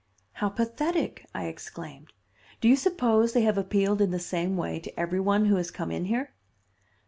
"How pathetic!" I exclaimed. "Do you suppose they have appealed in the same way to every one who has come in here?"